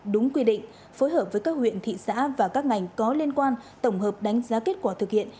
đúng quy định phối hợp với các huyện thị xã và các ngành có liên quan tổng hợp đánh giá kết quả thực hiện